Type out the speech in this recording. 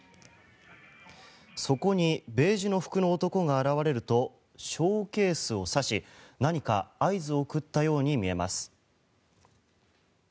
そこにベージュの服の男が現れるとショーケースを指し何か合図を送ったように見えます。